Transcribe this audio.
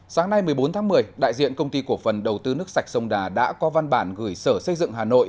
sáng nay một mươi bốn tháng một mươi đại diện công ty cổ phần đầu tư nước sạch sông đà đã có văn bản gửi sở xây dựng hà nội